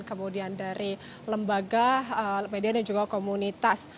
kemudian dari lembaga media dan juga komunitas